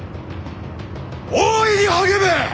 大いに励め！